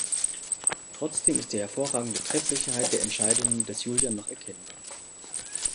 Trotzdem ist die hervorragende Treffsicherheit der Entscheidungen des Julian noch erkennbar.